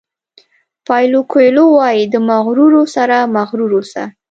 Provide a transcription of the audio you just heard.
پایلو کویلو وایي د مغرورو سره مغرور اوسه.